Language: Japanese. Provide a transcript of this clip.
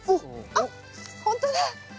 あっ本当だ！